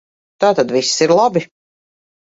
Tātad viss ir labi.